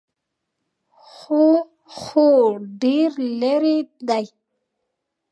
_هو، خو ډېر ليرې دی.